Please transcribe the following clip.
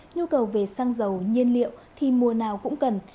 nhu cầu về xăng dầu nhiên liệu thì mùa nào cũng cần